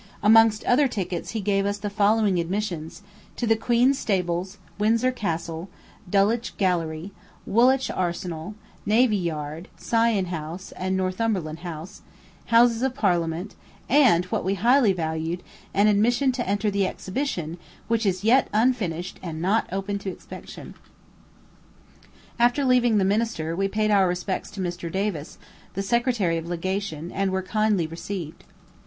Amongst other tickets he gave us the following admissions: to the Queen's stables, Windsor Castle, Dulwich Gallery, Woolwich Arsenal, Navy Yard, Sion House, Northumberland House, Houses of Parliament, and, what we highly valued, an admission to enter the exhibition, which is yet unfinished, and not open to inspection. After leaving the minister, we paid our respects to Mr. Davis, the secretary of legation, and were kindly received.